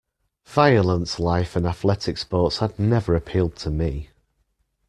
Violent life and athletic sports had never appealed to me.